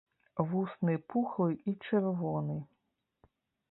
Вусны пухлы і чырвоны.